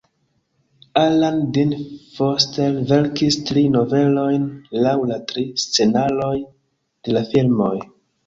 Alan Dean Foster verkis tri novelojn laŭ la tri scenaroj de la filmoj.